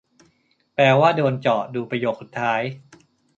แปลว่า "โดนเจาะ" ดูประโยคสุดท้าย